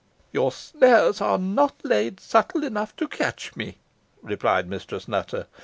"Your snares are not laid subtle enough to catch me," replied Mistress Nutter.